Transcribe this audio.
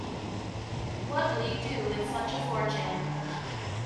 What will you do with such a fortune?